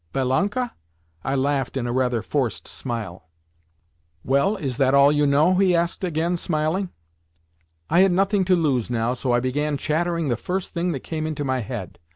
Belanka?" I laughed in a rather forced manner. "Well, is that all you know?" he asked again, smiling. I had nothing to lose now, so I began chattering the first thing that came into my head.